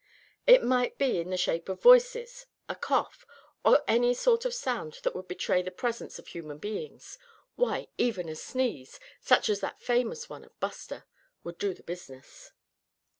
It might be in the shape of voices, a cough, or any sort of sound that would betray the presence of human beings; why, even a sneeze, such as that famous one of Buster, would do the business.